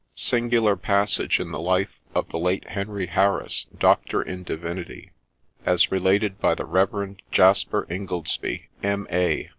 SINGULAR PASSAGE IN THE LIFE OF THE LATE HENRY HARRIS, DOCTOR IN DIVINITY AS BELATED BY THE REV. JASPER INGOLDSBY, M.A.